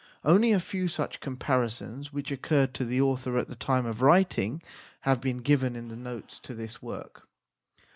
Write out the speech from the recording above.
Only a few such com parisons, which occurred to the author at the time of writing, have been given in the notes to this work.